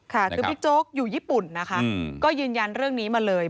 ค่ะคือบิ๊กโจ๊กอยู่ญี่ปุ่นนะคะก็ยืนยันเรื่องนี้มาเลย